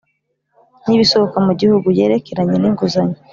n Ibisohoka mu gihugu yerekeranye n inguzanyo